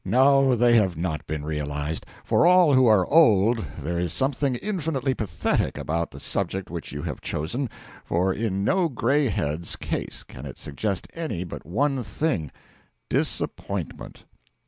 No, they have not been realised. For all who are old, there is something infinitely pathetic about the subject which you have chosen, for in no greyhead's case can it suggest any but one thing disappointment.